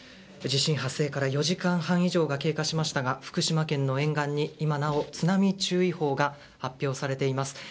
地震発生から４時間半以上が経過しましたが福島県の沿岸に今なお津波注意報が発表されています。